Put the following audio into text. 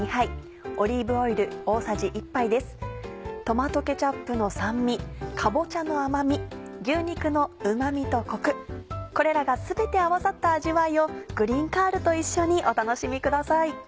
トマトケチャップの酸味かぼちゃの甘み牛肉のうまみとコクこれらが全て合わさった味わいをグリーンカールと一緒にお楽しみください。